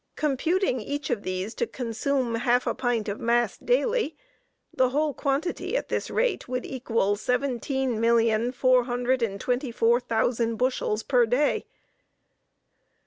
Computing each of these to consume half a pint of mast daily, the whole quantity at this rate would equal seventeen millions, four hundred and twenty four thousand bushels per day!